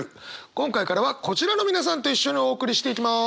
今回からはこちらの皆さんと一緒にお送りしていきます。